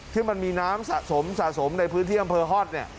ที่มันมีน้ำสะสมในพื้นที่บำเวอร์ฮอต